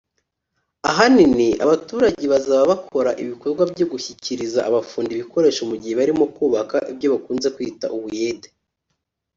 Ahanini abaturage bazaba bakora ibikorwa byo gushyikiriza abafundi ibikoresho mu gihe barimo kubaka (ibyo bakunze kwita ubuyede)